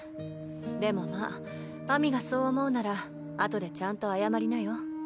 でもまあ秋水がそう思うならあとでちゃんと謝りなよ。